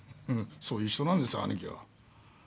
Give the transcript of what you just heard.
そういう人なんです兄貴は。